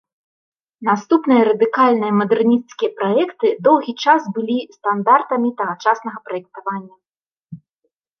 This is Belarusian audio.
Наступныя радыкальныя мадэрнісцкія праекты доўгі час былі стандартамі тагачаснага праектавання.